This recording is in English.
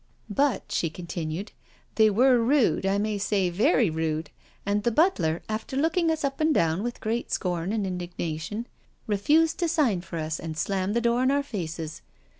" But," she continued, " they were rude, I piay AT THE WEEK'END COTTAGE 155 say very rude, and the butler, after looking us up and down with great scorn and indignation, refused to sign for us and slammed the door in our faces.